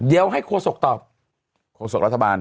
เดี๋ยวให้โครสกรัฐบาล